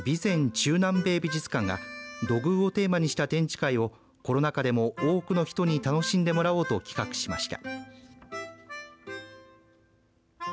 中南米美術館が土偶をテーマにした展示会をコロナ禍でも多くの人に楽しんでもらおうと企画しました。